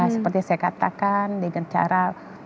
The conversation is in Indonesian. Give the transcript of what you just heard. seperti saya katakan dengan cara